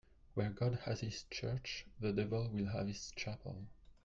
Where God has his church, the devil will have his chapel.